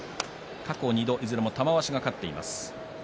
過去２度いずれも玉鷲が勝っています。